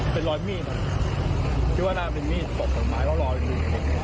เป็นรอยมีดคิดว่าน่าเป็นมีดบอกสมัยว่ารอยมีด